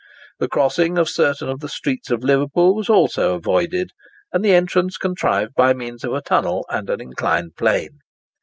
The crossing of certain of the streets of Liverpool was also avoided, and the entrance contrived by means of a tunnel and an inclined plane.